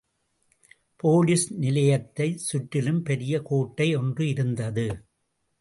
Police நிலையத்தைச் சுற்றிலும் பெரிய கோட்டை ஒன்று இருந்தது.